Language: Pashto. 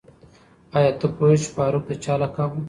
آیا ته پوهېږې چې فاروق د چا لقب و؟